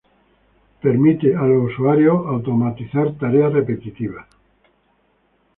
Permite a los usuarios automatizar tareas repetitivas en Microsoft Windows.